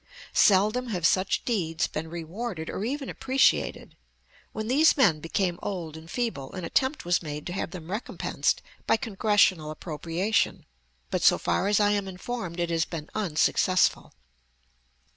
Seldom have such deeds been rewarded or even appreciated. When these men became old and feeble an attempt was made to have them recompensed by Congressional appropriation, but so far as I am informed it has been unsuccessful.